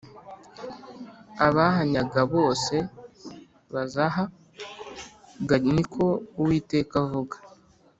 abahanyaga bose bazah ga Ni ko Uwiteka avuga